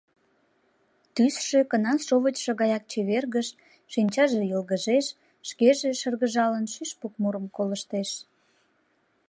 Тӱсшӧ кына шовычшо гаяк чевергыш, шинчаже йылгыжеш; шкеже, шыргыжалын, шӱшпык мурым колыштеш.